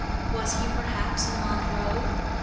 Was he perhaps in Montreux?